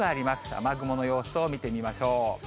雨雲の様子を見てみましょう。